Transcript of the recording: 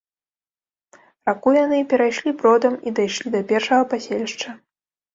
Раку яны перайшлі бродам і дайшлі да першага паселішча.